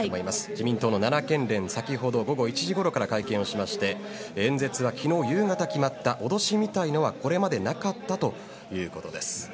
自民党の奈良県連先ほど午後１時ごろから会見をしまして演説は昨日、夕方決まった脅しみたいなものはこれまでなかったということです。